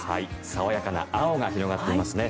爽やかな青が広がっていますね。